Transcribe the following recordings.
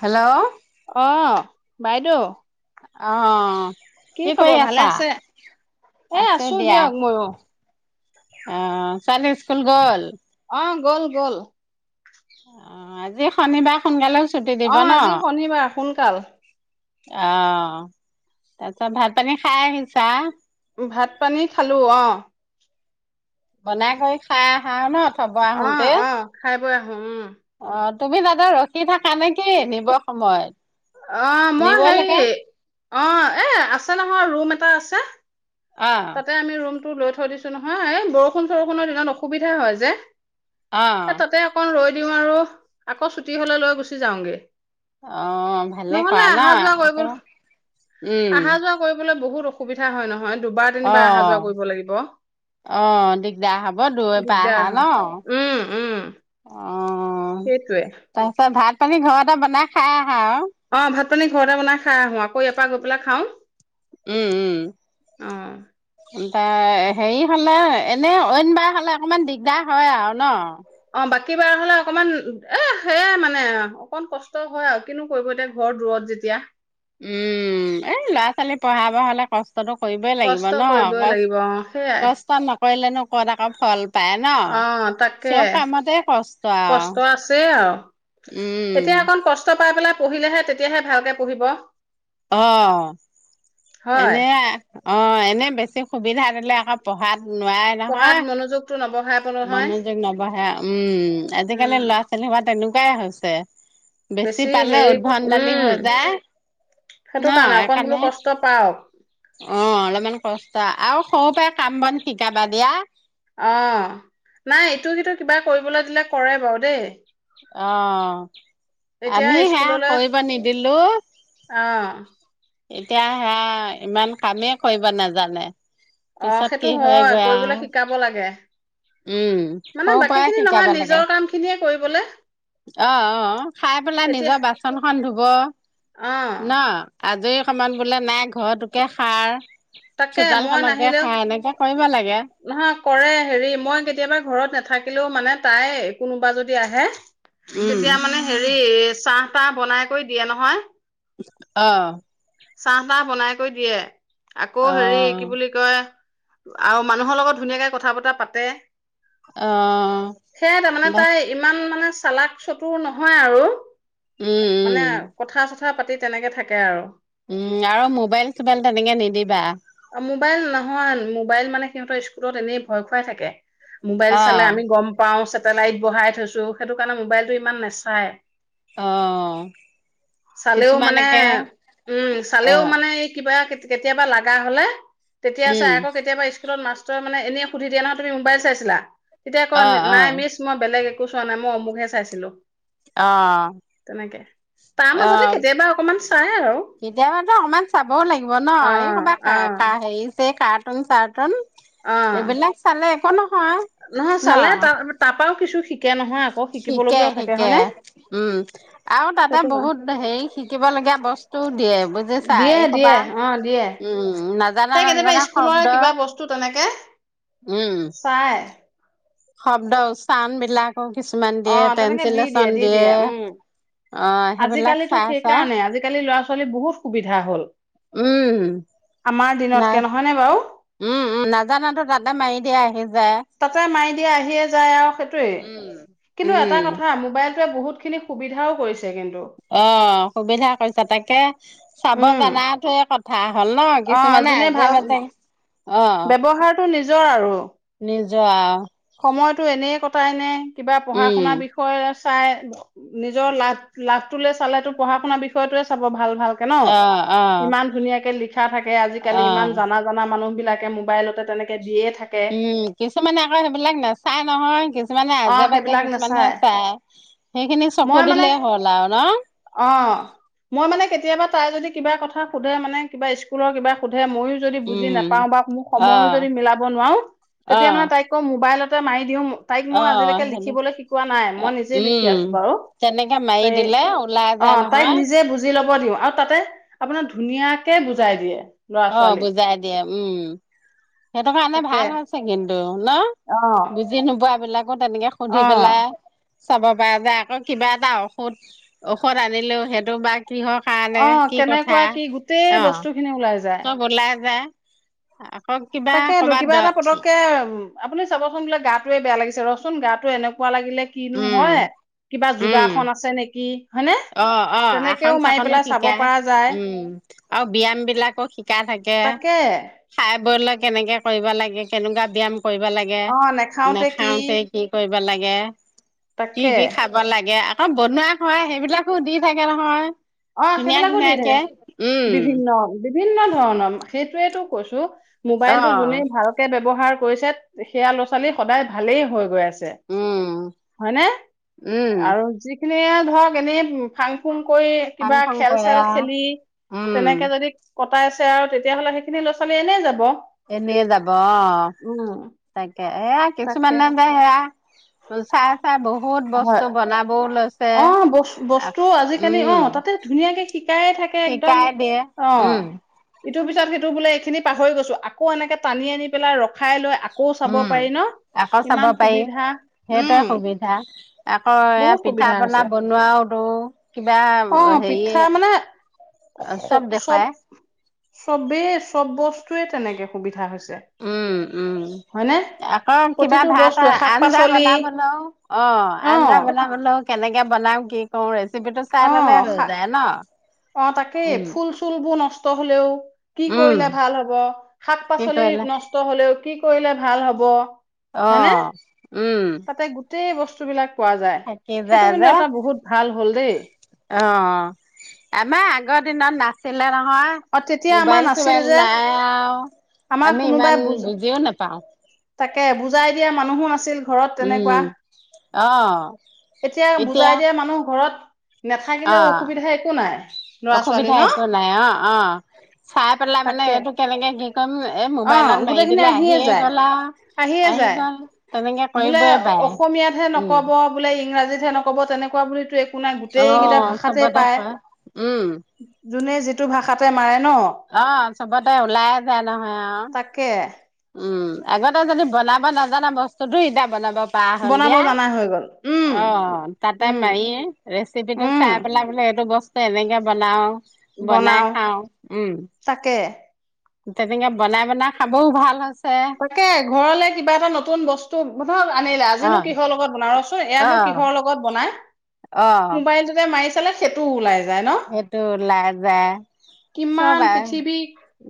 Hello অহ বাইদেউ অ কি কৰি খবৰ ভালে আছা আছে এ আছো দিয়ক ময়ো। অ ছোৱালী স্কুল গ'ল? অ গ'ল গল। অ আজি শনিবাৰ সোনকালে অ আজি শনিবাৰ সোনাকালে কাল অ তাৰপিছত ভাত পানী খাই আহিছা! ভাত পানী খালো অৱ। বনাই কৰি খাই আহা ন! চব আহোতে উ আহো অ তুমি দাদা ৰখি থাকা নেকি নিব সময়ত! অ মই হে নিবলৈকে অ এ আছে নহয় ৰুম এটা আছে। অ তাতে আমি ৰুম লৈ থৈ দিছো নহয় এই বৰষুণ চৰষুণৰ দিনত অসুবিধা হয় যে। অ এ তাতে অকন ৰৈ দিওঁ আৰু আকৌ ছুটি হলে লৈ গুচি যাওঁগে। অ ভালে ক নহ'লে ন অহা যোৱা কৰিব আকৌ উম অহা যোৱা কৰিবলৈ বহুত অসুবিধা হয় নহয় দুবাৰ অ তিনিবাৰ অহা যোৱা কৰিব লাগিব, অ দিগদাৰ হব দূৰৈৰ পৰা দিগদাৰ আহা ন হয়, উম উম অ সেইটোৱে। তাৰপিছত ভাত তনী ঘৰ এটা বনাই খা অৱ ভাত পানী ঘৰতে বনাই খাই আহো আকৌ ইয়াৰ পৰা গ লা খাওঁ উম অ', উম এ হেৰি হলে এনেই অইনবাৰ হলে অকমান দিগদাৰ হয় আৰু ন অ', বাকী বাৰ হলে অকমান এ সেয়াই মানে অকমান কষ্ট হয় আৰু কিনো কৰিব এতিয়া ঘৰ দূৰত যেতিয়া উম এই ল'ৰা ছোৱালী পঢ়াব হলে কষ্ট কৰিবই লাগিব কষ্ট ন কৰিবই লাগিব অ', সেইয়াই কষ্ট নকৰিলে ন ক'ত আকৌ ফল পায় ন অ তাকে চব কামতে কষ্ট আৰু। কষ্ট আছে আও উম এতিয়া অকন কষ্ট পাই পেলাই পঢ়িলেহে তেতিয়াহে ভালকে পঢ়িব। অ হয়। এনেই অ এনেই বেছি সুবিধা দিলে আকৌ পঢ়াত নোৱাৰে পঢ়াত নহয়। মনোযোগটো নবঢ়াব নহয়, মনোৰযোগ নবঢহ়ে উম উম, আজিকালি ল'ৰা ছোৱালী হোপা তেনেকুৱা কোৱাই হৈছে বেছি পালে হেৰি উদ্ভণ্ডলি উম, হৈ যায় ন সেইটো কাৰণে অকণ বোলো এইখণে কষ্ট পাওক। অ অলপমান কষ্ট আৰু সৰু পৰা কাম বন শিকাবা দিয়া। অ নাই ইটো সটো কিবা কৰিবলৈ দিলে কৰে বাও দেই অ এতিয়া আমি সেয়া স্কুললৈ কৰিব নিদিলো অঁ এতিয়া সেয়া ইমান কামেই কৰিব নাজানে। অ পিছত কি সেইটো হয় হয়গৈ আৰু কৰিবলৈ শিকাব লাগে উম মানে সৰু পৰাই বাকী খিনি শিকাব নহয় লাগে নিজৰ কাম খিনিয়ে কৰিবলে অ অ খাই পেলাই নিজৰ বাচনখন ধুব অঁ ন আজৰি অকণমান বোলে নাই ঘৰটোকে সাৰ তাকে চোতাল মই খনকে নাহিলেও সাৰ এনেকে কৰিব লাগে নহয় কৰে হেৰি মই কেতিয়াবা ঘৰত নাথাকিলেও মানে তাই কোনোবা যদি আহে উম তেতিয়া মানে হেৰি চাহ তাহ বনাই কৰি দিয়ে নহয় অহ চাহ তাহ বনাই কৰি দিয়ে? আকৌ হেৰি কি অ বুলি কয় আৰু মানুহৰ লগত ধুনীয়াকে কথা বতৰা পাতে অ সেইয়াই তাৰমানে বাচ তাই ইমান মানে চালাক চতুৰ নহয় উম আৰু মানে উম কথা চথা কথা পাতি তেনেকে থাকে আৰু উম আৰু মোৱাইল চোবাইল তেনেকে নিদিবা। মোবাইল নহয় মোবাইল মানে সিহঁতৰ স্কুলত এনেই ভয় খুৱাই থাকে। মোবাইল অ চালে আমি গম পাও লাইট বহাই থৈছো সেইটো কাৰণে মোবাইলতটো ইমান নেচায় অ চালেও কিছুমান মানে একে উম অ চালেও মানে এই কিবা কেতিয়াবা লাগা হলে তেতিয়া চাই উম আকৌ কেতিয়াবা স্কুলত মাচ মানে এনেই সুধি দিয়া নহ তুমি মোবাইল চাইছিলা তেতিয়া আকৌ অ অ নাই মিছ মই বেলেগ এক এইটো চোৱা নাই মই অমুকহে চাইছিলো অ তেনেকে তাৰ মাজতে কেতিয়াবা অকমান চাই আৰু এতিয়া মানে অকণমান চাবও লাগিব ন অ এই কৰবাত অ কা হেৰি এই কাৰ্টুন চাৰ্টুন অ এইবিলাক চালে হ ন নহয় চালে তাৰ তাৰ পাওঁ কিছু শি কে ন শিকে শিকে উম আৰু তাতে সেইটো কাৰ বহুত হেৰি শিকিব লগীয়া বস্তুও দিয়ে বুজিছা দিয়ে এই সোপা উম নাজ সেই কেতিয়াবা স্কুলৰ কিবা বস্তু তেনেকে উম চাই শব্দ উচ্চাৰণ বিলাক অ কিছুমান অ দিয়ে তেনেকে দি টেঞ্চিলিচন দি দিয়ে উম অ সেইবিলাক চাই চাই লী বহুত সুবিধা হ'ল। উম আমাৰ দিনতকে নাই নহয়নে বাৰু উম উম নাজানাতো তাতে মাৰি দিয়া আহি যায় তাত মাই এতিয়া আহিয়ে যায় আও সেইটোৱে, উম কিন্তু উম এটা কথা মোৱাইল টোৱে বহুতখিনি সুবিধাও কৰিছে। কিন্তু অ সুবিধা কৰিছে তাকে চাব উম জানা টোয়ে ক হা হল ন কিছুমানে আজে বাজে অ ব্যৱহাৰতো নিজৰ আৰু, নিজৰ আও সময়তো এনেই কটাই নে কিবা পঢ়া উম শুনা বিষয় আছে চাই নিজৰ লাভ লাভটোলে চালে তো পঢ়া শুনাৰ বিষয়টোয়ে চাব ভাল ভাল ন অ অ ইমান ধুনীয়াকে লিখে শিকা থাকে অ আজিকালি ইমান জানা জানা মানুহ মোৱাইলতে তেনেক দিয়ে থাকে উম কিছুমানে আকৌ সেইবিলাক নাচায় নহয় কিছুমানে আজে অ', বাজে সেইবিলাক কিছুমানে নাচায় চাই সেইখিনি চকু মই মানে দিলেই হল আও ন অ মই মানে কেতিয়াবা তাই যদি কিবা কথা সোধে মানে কিবা স্কুলৰ কিবা সুধ ধে ময়ো যদি বুজি উম নাপাওঁ বা সময়ো অ', যদি মিলাব নোৱাৰো তেতিয়া মানে অ', তাইক কও মো মোৱাইলতে মাৰি দিওঁ তাইক মই অ', আজিলৈকে হেৰি লিখিবলৈ শিকোৱা নাই মই নিজে লিখি উম, আছো বাৰু তেনেকে মাৰি তাই, দিলে ওলাই যায় অৱ তাইক নহয়, নিজে বুজি ল'ব দিওঁ আৰু তাতে আপোনাৰ ধুনীয়াকে বুজাই দিয়ে। ল'ৰা অ ছোৱালী বুজাই দিয়ে উম। সেইটো কাৰণে তাকে ভাল হৈছে কিন্তু [unintelligible] ন অ বুজি নোপোৱা বিলাক আকৌ তেনেকে সুধি অ পেলাই চাব পায় যে আকৌ কিবা এটা ঔষুধ ঔষধ আনিলোও সেইটো বা কিহৰ কাৰণে অ কি কথা কেনেকুৱা কি গোটেই বস্তু খিনি ওলাই যায়। উলায় যায়। আকৌ কিবা তাকেটো কৰ'বাত কিবা দ এটা পতককে আপুনি চাবচোন বোলে গাতোৱে বেয়া লাগি ৰচোন গাটো এনেকুৱা লাগে উম উম আছে নেকি হয়নে অ অ আসন তেনেকেও মাৰি চাসনো পেলাই চাব শিকাই পৰা যায় উম আৰু ব্যায়াম বিলাকো শিকাই থাকে তাকে খাই বলৈ কেনেকে কৰিব লাগে কেনেকুৱা ব্যায়াম কৰিব লাগে অ নেখাওতে কি নেখাওঁতে কি কৰিব কৰিব লাগে কি তাকে কি খাব লাগে অ বনোৱা খোৱা সেইবিলাকো দি থাকে নহয় অ ধুনীয়া সেইবিলাকো দি ধুনীয়াকে থাকে উম বিভিন্ন বিভিন্ন ধৰণৰ সেইটোৱেটো কৈছোঁ অ মোবাইলটো যোনে ভালকে ব্যৱহাৰ কৰিছে সেয়া ল'ৰা ছোৱালী সদায় ভালেই হৈ গৈ আছে উম হয়নে উম আৰু যি এনে ধৰক এনেই ফাং ফুং কৰি ফাং কিবা ফুং খেল কৰে চেল আও খেলি উম তেনেকে যদি কটাই আছে আৰু তেতিয়াহ'লে সেইখিনি ল'ৰা ছোৱালী এনেই যাব এনে যাব অ উম তাকে এয়া কিছুমান তাকে নেযায় সেয়া চাই চাই বহুত হয় বস্তু বনাবও লৈছে অ' বস বস্তু আজিকালি অ' উম তাতে ধুনীয়াকে শিকায়ে থাকে একদম শিকাই দিয়ে অ' উম ইটোৰ পিছত সিটো বোলে এইখিনি পাহৰি গৈছো আকৌ এনেকে টানি আনি পেলাই ৰখাই লৈ আকৌ চাব উম পাৰি ন আকৌ চাব ইমান পাৰি সুবিধা সেইটোৱে উম সুবিধা আকৌ এ বহুত পিঠা সুবিধা পনা হৈছে বনোৱাওতো কিবা অ' পিঠা মানে হেৰি চব দেখুৱাই চবেই চব বস্তুয়ে তেনেকে সুবিধা হৈছে উম উম হয়নে? আকৌ কিবা প্ৰতিটো ভাত বস্তুৱে শাক আঞ্জা আ্না পাচলি বনাবনও অ আঞ্জা বনাবলৈও কেনেকে বনাও কি কগ্ৰছ চ পিটো অ চাৰিলে হৈ শাক যায় ন অ তাকে উম ফুল চুল বুন নষ্ট হলেও কি উম কৰিলে ভাল হব শাক কি পাচলি কৰিলে নষ্ট হলেও কি কৰিলে ভাল হ'ব অ হয়নে উম তাতে গোটেই বস্তু বিলাক পোৱা যায় থাকি সেইটো যায় কিন্তু যে এটা বহুত ভাল হ'ল দেই অ আমাৰ আগৰ দিনত নাছিলে ন। হয় অ তেতিয়া আমাৰ মোবাইল নাছিল চোবাইল যে নাই আৰু আমাৰ আমি কোনোবাই ইমান বুজ বুজিও নাপাও। তাকে বুজাই দিয়া মানুহো আছিল ঘৰত তেনেকুৱা উম অ', এতিয়া বুজাই দিয়া মানুহ ঘৰত নাথাকিলেও অ', অসুবিধা একো নাই লৰা ছোৱালী অসুবিধা ন একো নাই অ চাই পেলাই মানে তাকে। এইটো কেনেকে কি কৰিম। এই অ মোবাইলত মাৰি গোটেইখিনি দিলে আহিয়ে যায় গ'ল আও। আহিয়ে আহি যায়, গ'ল তেনেকে বোলে কৰিবই পাৰে অসমীয়াতহে উম, নকব বোলে ইংৰাজীত যেনে ক'ব তেনেকুৱা বুলি আপোনাৰ গোটেই কেইটা অ', ভাষাতে চবতে পায় কয়। উম, যোনে যিটো ভাষা তাতে মাৰে ন অ চবতে ওলাই যায় নহয়। আৰু। তাকে উম আগতে যদি বনাব নাজানা বস্তুতটো ইতিয়া বনাব পাহ হল বনাব দিয়া জানা হৈ গল উম অ তাতে উম মাৰি ৰেচিপি টো উম চাই পেলাই বোলে এইটো বস্তু তেনেকে বনাও বনাই বনাও খাও উম তাকে তেনেকে বনাই বনাই খাবও ভাল হৈছে। তাকে ঘৰলে কিবা এটা নতুন বস্তু আনিলা অ আজিনো কিহৰ লগত বনোৱা অ এয়ানো কিহৰ লগত বনাই অ মুবাইলটোতে মাৰি চালে সেইটো ওলাই যায়। ন, সেইটো ওলাই যায় চব কিমান আৰু পৃথিৱী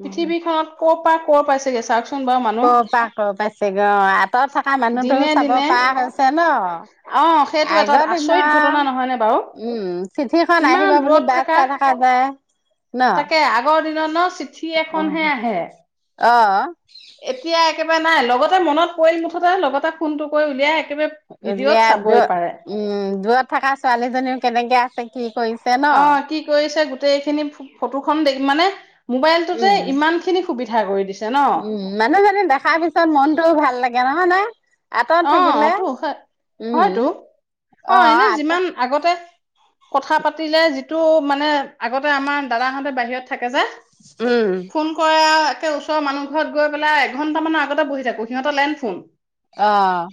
পৃথিৱী খনত ক পৰা ক' পাইছেগে চাওঁকচোন বাও কৰ পা ক পাইছে গ, আঁতৰত থকা মানুহটোো দিনে চাব দিনে পৰা হৈছে ন। অ সেইটো এটা আগৰ আচৰিত দিনৰ, ঘটনা নহয়নে বাৰু উম চিঠিখন ইমান আহিব বুলি দূৰত বাট চাই থকা যায় ন? তাকে আগৰ দিনত ন চিঠি এখনহে অ' আহে আহ। এতিয়া একেবাৰে নাই লগতে মনত পৰিল মুঠতে লগতে ফোনটো কৰি উলিয়াই একেবাৰে ভিডিঅ'ত উলিয়া চাবই দ, পাৰে উম দূৰত থকা ছোৱালীজনীও কেনেকে আছে কি কৰিছে ন অ কি কৰিছে গ তে এইখিনি ফ-ফটোখন দে মানে মোবাইলটোতে উম ইমানখিনি সুবিধা কৰি দিছে। ন উম মানুহজনী দেখাৰ পিছত মনটোও ভাল লাগে নহয় নাই? অ' তো, হয়তো। উম অ' এনে যিমান আগতে কথা পাতিলে যিটো মানে আগতে আমাৰ দাদাহঁতে বাহিৰত থাকে যে ফোন কৰে আও সেই ওচৰৰ মানুহঘৰত গৈ পেলাই এঘণ্টামান আগতে বহি থাকো, সিহঁতৰ লেণ্ডফোন। অ',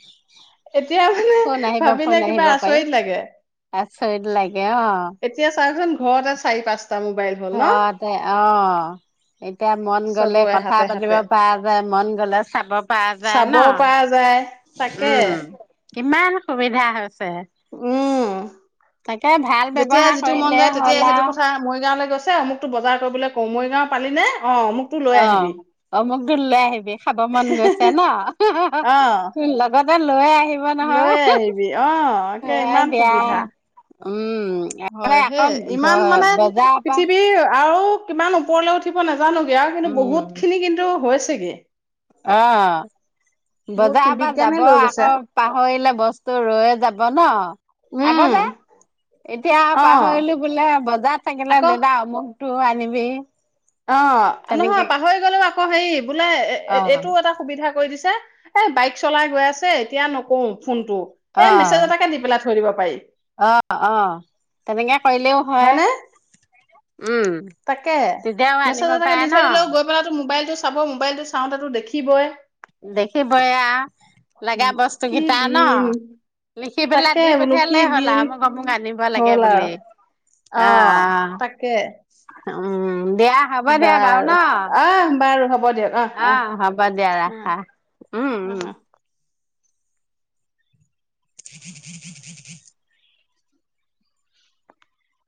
মানে ফোন আহিব ভাবিলে ফোন কিবা আহিব কৰি, আচৰিত লাগে আচৰিত লাগে অ'। এতিয়া চাওকচোন ঘৰতে চাৰি-পাঁচ ঘৰতে অ' এতিয়া মন গ'লে চবৰে কথা হাতে পাতিব হাতে পৰা যায়, মন গ'লে চাব পৰা যায় চাব পৰা যায় ন? তাকে উম কিমান সুবিধা ধা হয় ছে। উম তাকে ভাল যেতিয়া ব্যৱহাৰ কৰিলে হ'ল আৰু। আছে অমুকতো বজাৰ কৰিবলৈ কওঁ, মৰিগাঁও পালি নে? অ অমুকতো লৈ অ', আহিবি অমুক ঢোল লৈ আহিবি খাব মন গৈছে ন? অ [unintelligible] লগতে লৈ আহি লৈ আহিবি। অ' কে নহয় ইমান দিয়া সুবিধা। উম হয় সেই, আকৌ ঘ ইমান মানে বজাৰৰ পৰা পৃথিৱীৰ আৰু কিমান ওপৰলৈ উঠিব নাজা জানোগে আৰু কিন্তু উম, বহুতখিনি কিন্তু হৈছে [unintelligible] অ'। বজাৰৰ খিনি পৰা বিজ্ঞানে যাব লৈ গৈছে আকৌ পাহৰিলে বস্তু ৰৈয়ে যাব ন? উম আগতে, এতিয়া অ পাহৰিলো বোলে বজাৰত থাকিলে, আকৌ দাদা অমুক টো আনিবি। অ' নহয় তেনেকে পাহৰি গ'লেও আকৌ হেৰি বোলে অ, এইটো এটা সুবিধা। কৈ দিছে, এ বাইক চলাই গৈ আছে এতিয়া নকওঁ। ফোনটো এই মেছেজ অ'। এটাকে দি পেলাই থৈ দিব পাৰি অ' অ'। তেনেকে কৰিলেও হয়। হয়নে উম, তাকে। তেতিয়াও আনিব মেছেজ এটাকে পাৰে দি ন। থৈ দিলে গৈ পালে ত মোবাইল। চাব, মোবাইলটো চাওঁতেতো দেখিবই । দেখিবই আও। লাগে কি বস্তুগিটা ন? দিন লিখি পেলাই তাকে দি বোলো কি পঠিয়ালেই হ'ল দিন আৰু মই কম মোক আনি দিব। হ'ল আৰু। অ' তাকে। [unintelligible] উম দেয়া হ'ব দেয়া বাৰু ন? আহ বাৰু হ'ব দিয়ক আহ অ আহ হব দিয়া ৰাখা আহ ওম ওম। আহ বিধ, বিধ, বিধ, বিধ। [inaudible]